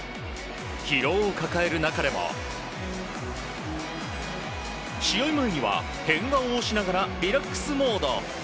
疲労を抱える中でも試合前には変顔をしながらリラックスモード。